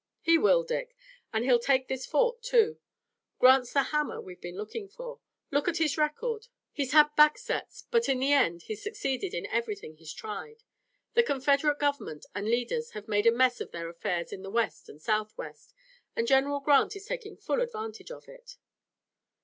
"He will, Dick, and he'll take this fort, too. Grant's the hammer we've been looking for. Look at his record. He's had backsets, but in the end he's succeeded in everything he's tried. The Confederate government and leaders have made a mess of their affairs in the West and Southwest, and General Grant is taking full advantage of it."